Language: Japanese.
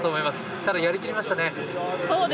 ただ、やりきりましたね。